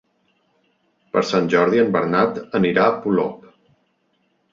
Per Sant Jordi en Bernat anirà a Polop.